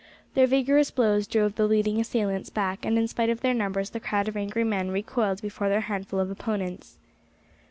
Their vigorous blows drove the leading assailants back, and in spite of their numbers the crowd of angry men recoiled before their handful of opponents.